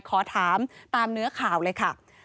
ขอถามตามเนื้อข่าวเลยค่ะ